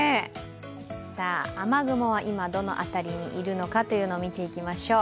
雨雲は今、どの辺りにいるのかというのを見ていきましょう。